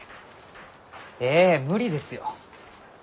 ええ無理ですよ。